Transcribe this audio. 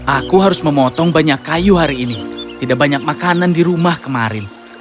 aku harus memotong banyak kayu hari ini tidak banyak makanan di rumah kemarin